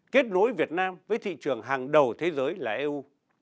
kết nối việt nam với thị trường hàng đầu thế giới là eu